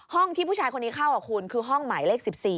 ที่ผู้ชายคนนี้เข้าคุณคือห้องหมายเลข๑๔